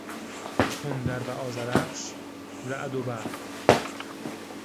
تندر و آذرخش، رعد و برق